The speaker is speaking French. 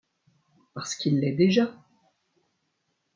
Parce qu’il l’est déjà!